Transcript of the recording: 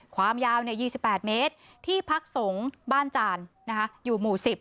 ความยาว๒๘เมตรที่พักสงฆ์บ้านจานอยู่หมู่๑๐